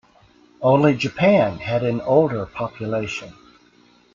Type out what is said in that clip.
Only Japan had an older population.